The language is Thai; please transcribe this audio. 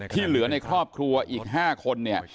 ที่เหลือในครอบครัวอีก๕คนเนี่ย